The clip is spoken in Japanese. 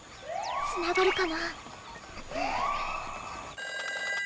つながるかな？